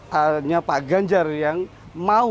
hanya pak ganjar yang mau